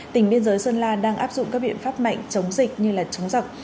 tỉnh biên giới sơn la đang áp dụng các biện pháp mạnh chống dịch như chống giặc